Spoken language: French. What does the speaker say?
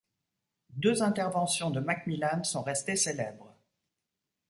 Deux interventions de Macmillan sont restées célèbres.